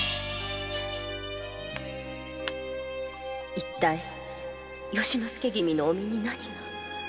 一体由之助君のお身に何が？